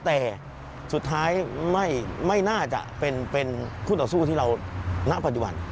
แต่สุดท้ายไม่น่าจะเป็นคู่ต่อสู้ที่เราณปัจจุบัน